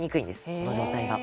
この状態が。